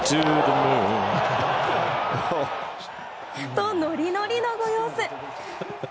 と、ノリノリのご様子。